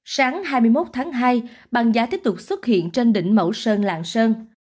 sáng hai mươi một tháng hai bàn giá tiếp tục xuất hiện trên đỉnh mẫu sơn làng sơn